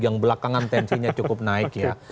yang belakangan tensinya cukup naik ya